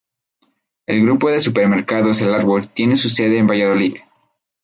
El grupo de supermercados El Árbol tiene su sede en Valladolid.